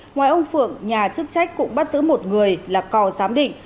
ngoài ông phượng nhà chức trách cũng bắt giữ một người là cò giám định